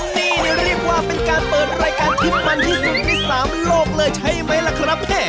นี่เรียกว่าเป็นการเปิดรายการที่มันที่สุดใน๓โลกเลยใช่ไหมล่ะครับ